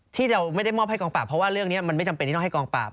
ที่เราไม่ได้มอบให้กองปราบเพราะว่าเรื่องนี้มันไม่จำเป็นที่ต้องให้กองปราบ